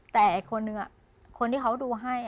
แต่คนที่เขาดูให้